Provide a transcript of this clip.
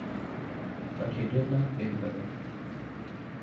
But he did not play for them.